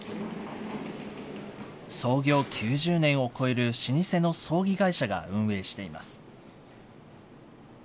創業９０年を超える老舗の葬儀会社が運営しています。